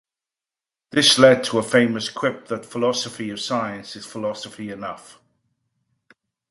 This led to his famous quip that philosophy of science is philosophy enough.